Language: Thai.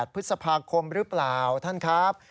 พฤษภาคมหรือเปล่าท่านครับ